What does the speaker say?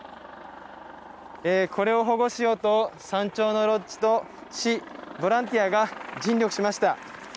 これを保護しようと山頂のロッジと市、ボランティアが尽力しました。